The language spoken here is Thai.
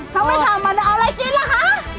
เขาไม่ทำมันจะเอาอะไรกินล่ะคะ